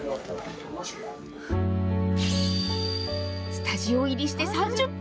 スタジオ入りして３０分。